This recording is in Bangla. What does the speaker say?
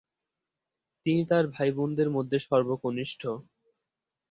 তিনি তার ভাইবোনদের মধ্যে সর্বকনিষ্ঠ।